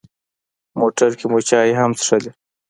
موټر کې مو چای هم څښلې.